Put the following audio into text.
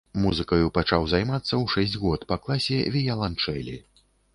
Музыкаю пачаў займацца ў шэсць год па класе віяланчэлі.